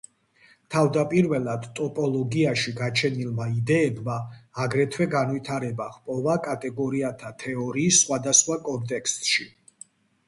თავდაპირველად ტოპოლოგიაში გაჩენილმა იდეებმა აგრეთვე განვითარება ჰპოვა კატეგორიათა თეორიის სხვადასხვა კონტექსტში.